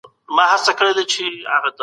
ميرويس خان نيکه د حج لپاره ولي مکي ته ولاړ؟